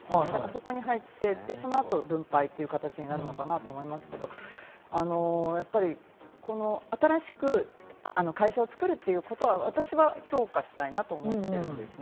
そこに入っていって、その後に分配という形になるのかなと思いますけれども、新しく会社を作るということは私は評価したいなと思ってるんですね。